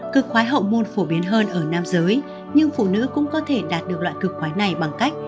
cực khói hậu môn phổ biến hơn ở nam giới nhưng phụ nữ cũng có thể đạt được loại cực quái này bằng cách